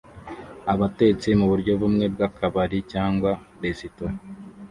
Abatetsi muburyo bumwe bwakabari cyangwa resitora